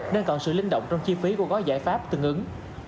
nên còn sự linh động trong chi phí của gói giải pháp tương ứng